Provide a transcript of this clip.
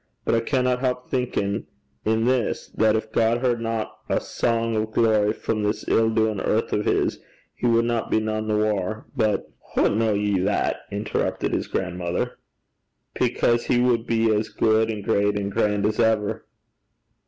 But I canna help thinkin' this, that gin God heardna ae sang o' glory frae this ill doin' earth o' his, he wadna be nane the waur; but ' 'Hoo ken ye that?' interrupted his grandmother. 'Because he wad be as gude and great and grand as ever.'